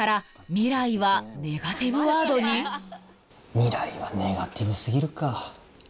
「みらい」はネガティブ過ぎるか。